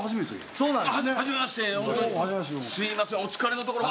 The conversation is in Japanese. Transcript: そうなんです。